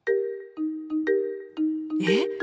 え！